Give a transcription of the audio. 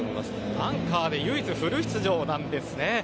アンカーで唯一フル出場なんですね。